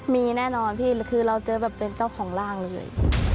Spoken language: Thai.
มีแน่นอนพี่คือเราเจอแบบเป็นเจ้าของร่างเลย